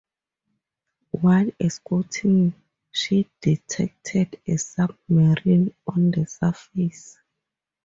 While escorting she detected a submarine on the surface.